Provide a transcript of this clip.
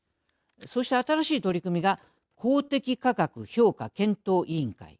そして新しい取り組みが公的価格評価検討委員会。